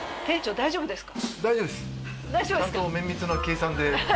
大丈夫ですか。